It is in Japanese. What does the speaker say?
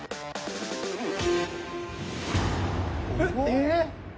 えっ。